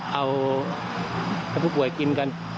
เอาผู้ป่วยกินกัน